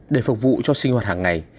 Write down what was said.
để phục vụ cho sinh hoạt hàng ngày